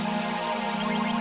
sampai jumpa lagi